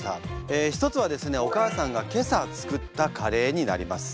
１つはですねお母さんが今朝作ったカレーになります。